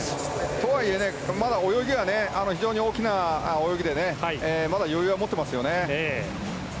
とはいえ、まだ泳ぎは非常に大きな泳ぎでまだ余裕は持ってますよね。